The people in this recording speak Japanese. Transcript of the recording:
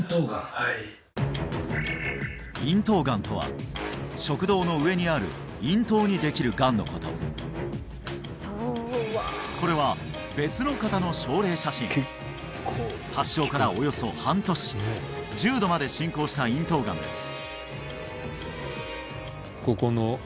はい咽頭がんとは食道の上にある咽頭にできるがんのことこれは別の方の症例写真発症からおよそ半年重度まで進行した咽頭がんです